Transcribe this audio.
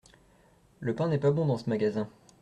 Le pain n’est pas bon dans ce magasin.